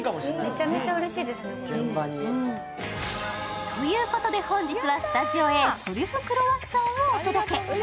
めちゃめちゃうれしいですね。ということで本日はスタジオへトリュフクロワッサンをお届け。